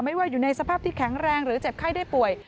ว่าอยู่ในสภาพที่แข็งแรงหรือเจ็บไข้ได้ป่วย